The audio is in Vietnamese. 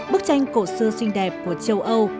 bức tranh cổ xưa xinh đẹp của châu âu